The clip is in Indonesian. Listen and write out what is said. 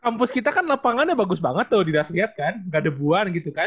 kampus kita kan lepangannya bagus banget tuh dilihat kan ga ada buan gitu kan